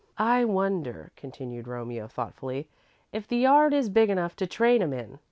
"I wonder," continued Romeo, thoughtfully, "if the yard is big enough to train 'em in.